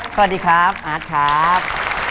สวัสดีครับอาร์ตครับ